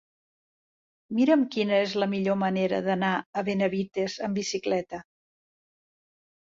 Mira'm quina és la millor manera d'anar a Benavites amb bicicleta.